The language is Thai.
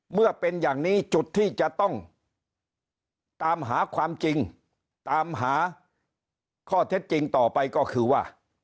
เมื่อเป็นอย่างนี้จุดที่จะต้องตามหาความจริงตามหาข้อเท็จจริงต่อไปก็คือว่า